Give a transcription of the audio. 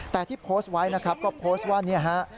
แต่ที่โพสต์ไว้นะครับก็โพสต์ว่าเนี่ยฮะ